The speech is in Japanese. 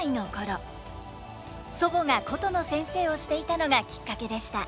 祖母が箏の先生をしていたのがきっかけでした。